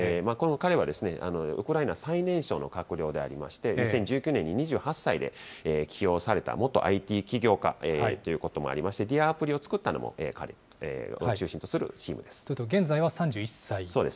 彼はウクライナ最年少の閣僚でありまして、２０１９年に２８歳で起用された元ＩＴ起業家ということもありまして、ディアアプリを作ったのも、彼を現在は３１歳。